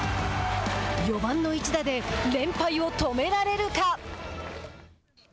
４番の一打で連敗を止められるか？